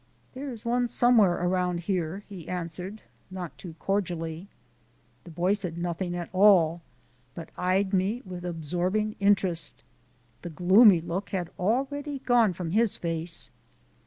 "There is one somewhere around here," he answered not too cordially. The boy said nothing at all, but eyed me with absorbing interest. The gloomy look had already gone from his face.